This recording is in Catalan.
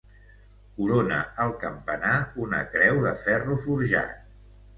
Corona el campanar una creu de ferro forjat.